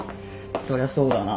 そりゃそうだな。